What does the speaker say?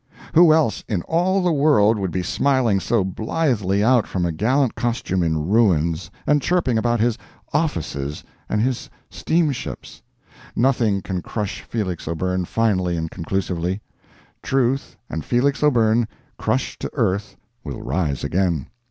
Who else, in all the world, would be smiling so blithely out from a gallant costume in ruins and chirping about his offices and his steamships? Nothing can crush Felix O'Byrne finally and conclusively. Truth and Felix O'Byrne crushed to earth will rise again.